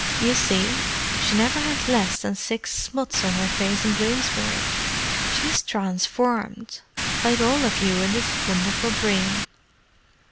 "You see, she never had less than six smuts on her face in Bloomsbury. She's transformed, like all of you in this wonderful dream."